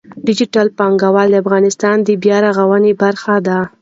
ډیجیټل بانکوالي د افغانستان د بیا رغونې برخه ده.